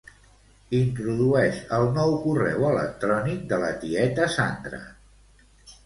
Introdueix el nou correu electrònic de la tieta Sandra.